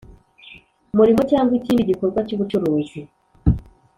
murimo cyangwa ikindi gikorwa cy ubucuruzi